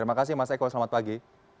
oke selamat pagi